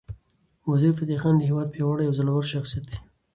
وزیرفتح خان د هیواد پیاوړی او زړور شخصیت دی.